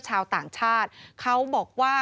ชาวต่างชาติเขาบอกว่า